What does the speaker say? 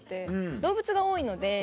動物が多いので。